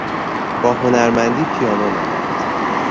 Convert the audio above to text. با هنرمندی پیانو نواخت.